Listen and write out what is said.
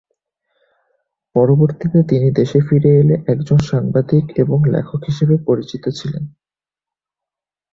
পরবর্তীতে তিনি দেশে ফিরে এলে একজন সাংবাদিক এবং লেখক হিসেবেই পরিচিত ছিলেন।